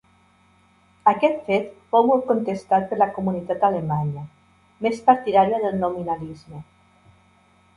Aquest fet fou molt contestat per la comunitat alemanya, més partidària del nominalisme.